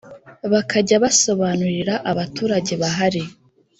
bakajya basobanurira abaturage bahari